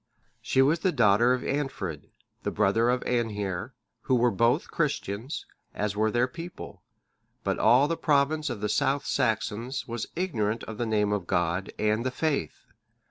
(620) She was the daughter of Eanfrid, the brother of Aenhere,(621) who were both Christians, as were their people; but all the province of the South Saxons was ignorant of the Name of God and the faith.